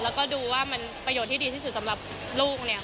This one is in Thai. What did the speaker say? แล้วก็ดูว่ามันประโยชน์ที่ดีที่สุดสำหรับลูกเนี่ย